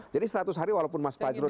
jadi seratus hari walaupun mas fajrul bilang